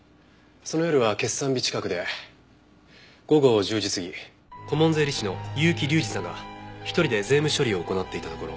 その夜は決算日近くで午後１０時すぎ顧問税理士の結城隆司さんが１人で税務処理を行っていたところ。